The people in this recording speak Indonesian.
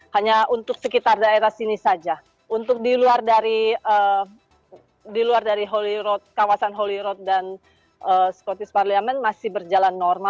hanya untuk sekitar daerah sini saja untuk di luar dari di luar dari holyrood dan scottish parliament